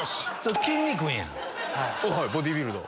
はいボディービルダー。